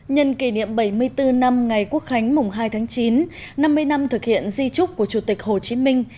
nhân kỷ niệm bảy mươi bốn năm ngày quốc khánh mùng hai tháng chín năm mươi năm thực hiện di trúc của chủ tịch hồ chí minh